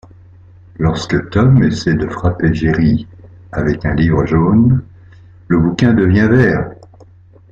Lorsque Tom essaie de frapper Jerry avec un livre jaune, le bouquin devient vert.